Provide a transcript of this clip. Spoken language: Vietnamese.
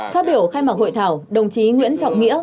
phát biểu khai mạc hội thảo đồng chí nguyễn trọng nghĩa